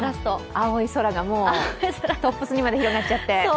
青い空が、もう洋服にまで広がっちゃって。